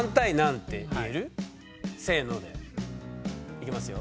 いきますよ。